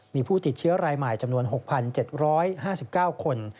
มีผู้ติดเชื้อรายใหม่จำนวน๖๗๕๙คน